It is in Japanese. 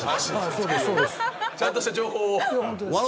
ちゃんとした情報を。笑